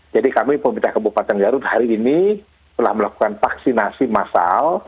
jadi kami pembintang kabupaten garut hari ini telah melakukan vaksinasi massal